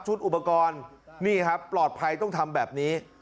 อุปกรณ์นี่ครับปลอดภัยต้องทำแบบนี้